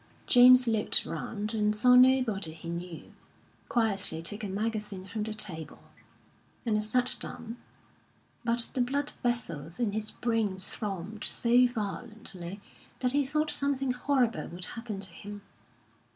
James looked round and saw nobody he knew, quietly took a magazine from the table, and sat down; but the blood vessels in his brain throbbed so violently that he thought something horrible would happen to him.